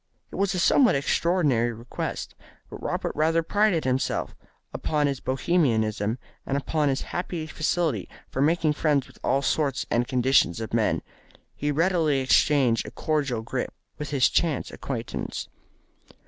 It was a somewhat extraordinary request, but Robert rather prided himself upon his Bohemianism, and upon his happy facility for making friends with all sorts and conditions of men. He readily exchanged a cordial grip with his chance acquaintance.